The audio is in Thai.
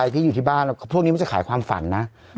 ด้วยแล้วก็ขายความฝันนะ